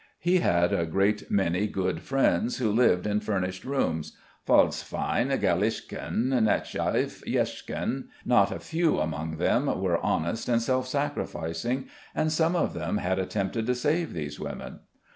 He had a great many good friends who lived in furnished rooms, Falzfein, Galyashkin, Nechaiev, Yechkin ... not a few among them were honest and self sacrificing, and some of them had attempted to save these women....